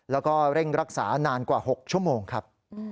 แล้วก็เร่งรักษานานกว่า๖ชั่วโมงครับ